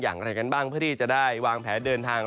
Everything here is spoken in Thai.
อย่างไรกันบ้างเพื่อที่จะได้วางแผนเดินทาง